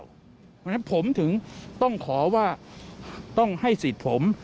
เพราะฉะนั้นผมถึงต้องขอว่าต้องให้สิทธิ์ผม